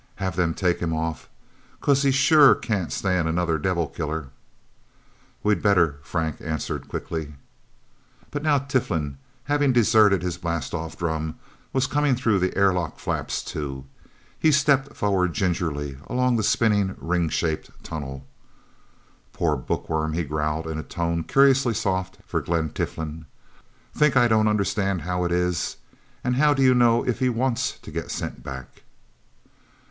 "Have them take him off? 'Cause he sure can't stand another devil killer." "We'd better," Frank answered quickly. But now Tiflin, having deserted his blastoff drum, was coming through the airlock flaps, too. He stepped forward gingerly, along the spinning, ring shaped tunnel. "Poor bookworm," he growled in a tone curiously soft for Glen Tiflin. "Think I don't understand how it is? And how do you know if he wants to get sent back?"